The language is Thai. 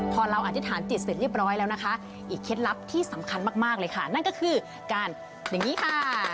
พอเราอธิษฐานจิตเสร็จเรียบร้อยแล้วนะคะอีกเคล็ดลับที่สำคัญมากเลยค่ะนั่นก็คือการอย่างนี้ค่ะ